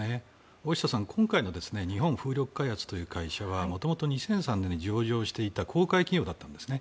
大下さん、今回の日本風力開発という会社はもともと２００３年に上場していた公開企業だったんですね。